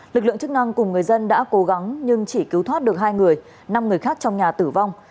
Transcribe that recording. lực lượng chức năng cùng người dân đã cố gắng nhưng chỉ cứu thoát được hai người năm người khác trong nhà tử vong